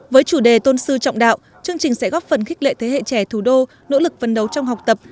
với chủ đề tôn sư trọng đạo chương trình sẽ góp phần khích lệ thế hệ trẻ thủ đô nỗ lực phấn đấu trong học tập